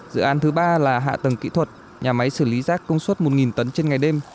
dự án thứ ba là hạ tầng kỹ thuật nhà máy xử lý rác công suất một tấn trên ngày đêm